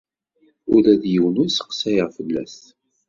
Ula d yiwen ur sseqsayeɣ fell-as.